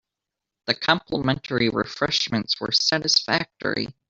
The complimentary refreshments were satisfactory.